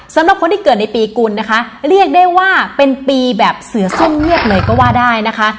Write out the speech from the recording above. สำหรับคนที่เกิดในปีกุลนะคะเรียกได้ว่าเป็นปีแบบเสือส้มเงียบเลยก็ว่าได้นะคะ